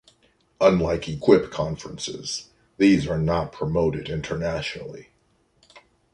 Unlike Equip conferences these are not promoted internationally.